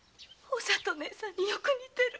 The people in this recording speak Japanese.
お里姉さんによく似てる。